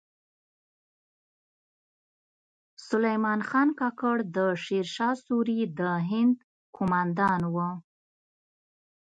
سلیمان خان کاکړ د شیر شاه سوري د هند کومندان و